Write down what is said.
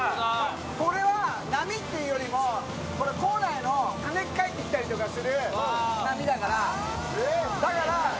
これは波っていうよりも、港内のはね返ってきたりする波だから。